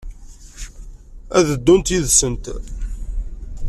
Ad d-ddunt yid-sent?